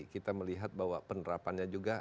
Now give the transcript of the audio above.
kita melihat bahwa penerapannya juga